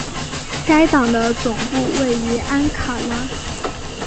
该党的总部位于安卡拉。